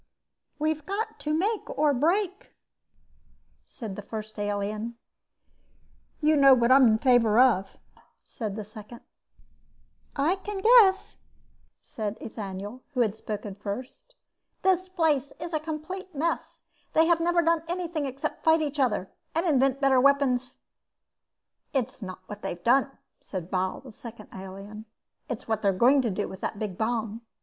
"We've got to make or break," said the first alien. "You know what I'm in favor of," said the second. "I can guess," said Ethaniel, who had spoken first. "The place is a complete mess. They've never done anything except fight each other and invent better weapons." "It's not what they've done," said Bal, the second alien. "It's what they're going to do, with that big bomb."